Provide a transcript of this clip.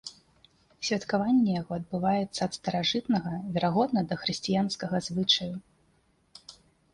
Святкаванне яго адбываецца ад старажытнага, верагодна, дахрысціянскага звычаю.